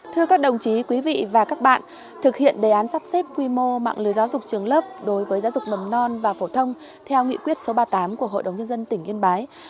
thưa các đồng chí quý vị và các bạn thực hiện đề án sắp xếp quy mô mạng lưới giáo dục trường lớp đối với giáo dục mầm non và phổ thông theo nghị quyết số ba mươi tám của hội đồng nhân dân tỉnh yên bái